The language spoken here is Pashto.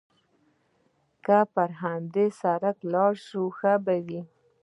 که پر همدې سړک ولاړ شو، ښه به وي.